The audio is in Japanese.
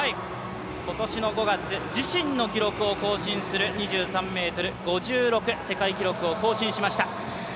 今年の５月、自身の記録を更新する２３ｍ５６、世界記録を更新しました。